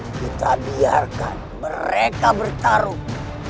kita biarkan mereka bertarung